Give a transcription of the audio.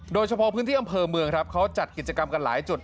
โดยเฉพาะพื้นที่อำเภอเมืองครับเขาจัดกิจกรรมกันหลายจุด